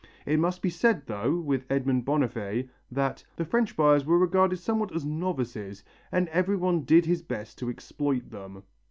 It must be said though, with Edmond Bonnaffé, that "the French buyers were regarded somewhat as novices, and everyone did his best to exploit them."